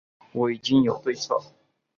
我已经有对策